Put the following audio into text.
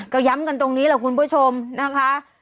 ก็ย้ำกันตรงนี้แหละคุณผู้ชมนะคะ